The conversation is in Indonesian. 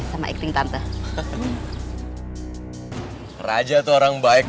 mama kamu pergi